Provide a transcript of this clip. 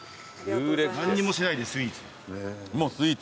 何にもしないでスイーツ。